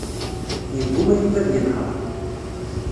Yegguma Yuba ad yenheṛ.